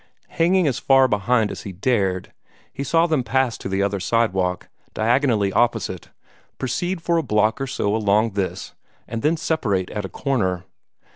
Hanging as far behind as he dared, he saw them pass to the other sidewalk diagonally opposite, proceed for a block or so along this, and then separate at a corner.